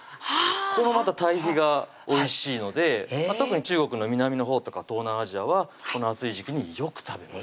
このまた対比がおいしいので特に中国の南のほうとか東南アジアはこの暑い時期によく食べます